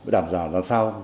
đảm dòng làm sao